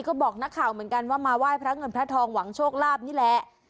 ก็บอกนักข่าวเหมือนกันว่ามาไหว้พระเงินพระทองหวังโชคลาภนี่แหละ